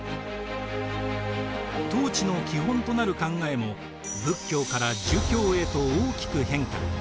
統治の基本となる考えも仏教から儒教へと大きく変化。